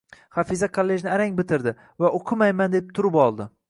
Hafiza kollejni arang bitirdi va o`qimayman deb turib oldi